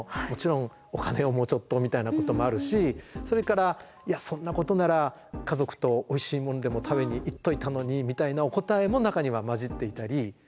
もちろんお金をもうちょっとみたいなこともあるしそれから「いやそんなことなら家族とおいしいものでも食べに行っといたのに」みたいなお答えも中には交じっていたり。